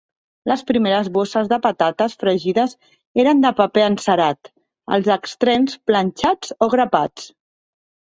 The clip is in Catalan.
Les primeres bosses de patates fregides eren de paper encerat els extrems planxats o grapats.